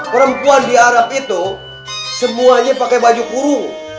perempuan di arab itu semuanya pakai baju kurung